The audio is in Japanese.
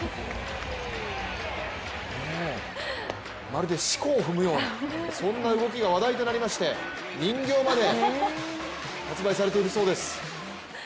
まるでしこを踏むようなそんな動きが話題となりまして人形まで発売されているそうです。